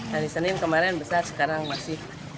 hari senin kemarin besar sekarang masih